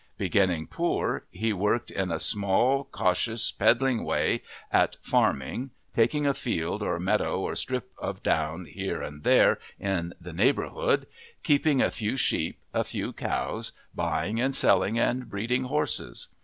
Beginning poor, he worked in a small, cautious, peddling way at farming, taking a field or meadow or strip of down here and there in the neighbourhood, keeping a few sheep, a few cows, buying and selling and breeding horses.